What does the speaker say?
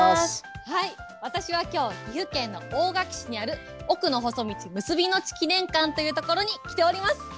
私はきょう、岐阜県の大垣市にある、奥の細道むすびの地記念館という所に来ております。